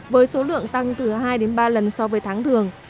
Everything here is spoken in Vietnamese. với số lượng tăng từ hai đến ba lần so với tháng thường